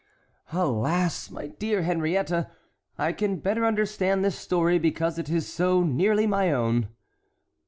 "Alas, my dear Henriette, I can better understand this story because it is so nearly my own."